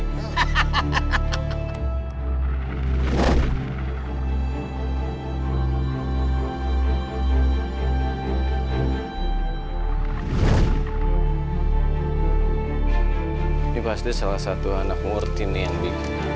hai ini pasti salah satu anak ngurutin yang di